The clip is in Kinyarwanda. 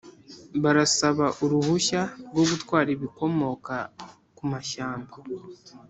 barasaba uruhushya rwo gutwara ibikomoka ku mashyamba